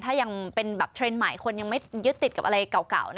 ถ้ายังเป็นแบบเทรนด์ใหม่คนยังไม่ยึดติดกับอะไรเก่า